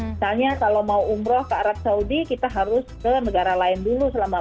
misalnya kalau mau umroh ke arab saudi kita harus ke negara lain dulu selama